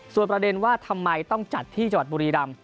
ส่วนประเด็นว่าทำไมต้องจัดที่จังหวัดบุรีรำ